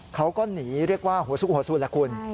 เขาก็หนีเรียกว่าหัวสุรคุณ